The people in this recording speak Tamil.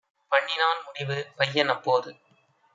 பண்ணினான் முடிவு! பையன் அப்போது